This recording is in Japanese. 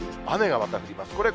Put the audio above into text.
雨がまた降ります。